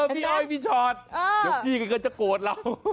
พี่อ้อยพี่ชอตเดี๋ยวพี่ก็จะโกรธเรา